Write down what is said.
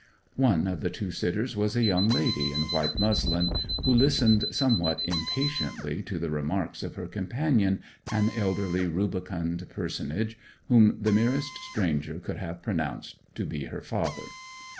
One of the two sitters was a young lady in white muslin, who listened somewhat impatiently to the remarks of her companion, an elderly, rubicund personage, whom the merest stranger could have pronounced to be her father.